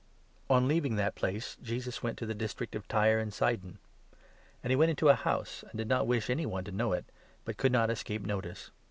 cure or * ®n living tnat place, Jesus went to the dis syrinn Giri trict of Tyre and Sidon. And he went into near Tyre. a house, and did not wish anyone to know it, but could not escape notice.